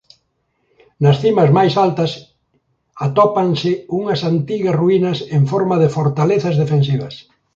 Nas cimas máis altas atópanse unhas antigas ruínas en forma de fortalezas defensivas.